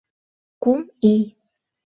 Кум ий!..